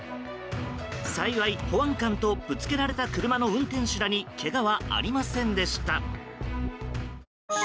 幸い、保安官とぶつけられた車の運転手らにけがはありませんでした。